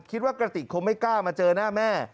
กระติกคงไม่กล้ามาเจอหน้าแม่